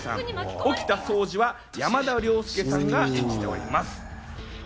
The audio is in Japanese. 沖田総司は山田涼介さんが演じております。